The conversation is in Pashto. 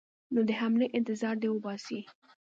نو د حملې انتظار دې وباسي.